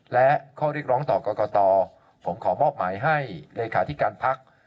และข้อเรียกร้องต่อกรกตผมขอมอบหมายให้เลขาธิการพัก